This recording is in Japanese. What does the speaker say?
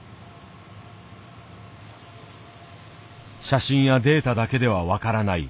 写真やデータだけでは分からない